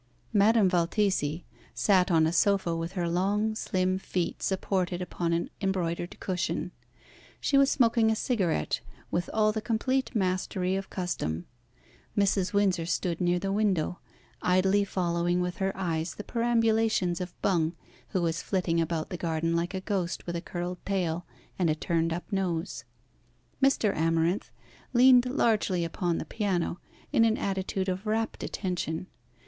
Madame Valtesi sat on a sofa with her long, slim feet supported upon an embroidered cushion. She was smoking a cigarette with all the complete mastery of custom. Mrs. Windsor stood near the window, idly following with her eyes the perambulations of Bung, who was flitting about the garden like a ghost with a curled tail and a turned up nose. Mr. Amarinth leaned largely upon the piano, in an attitude of rapt attention.